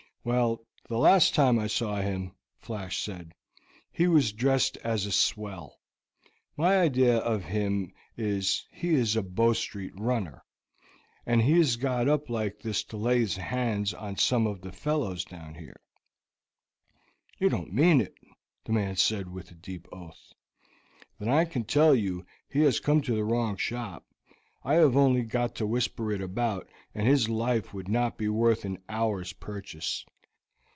"Well, the last time I saw him," Flash said, "he was dressed as a swell. My idea of him is, he is a Bow Street runner, and he is got up like this to lay his hands on some of the fellows down here." "You don't mean it!" the man said with a deep oath. "Then I can tell you he has come to the wrong shop. I have only got to whisper it about, and his life would not be worth an hour's purchase.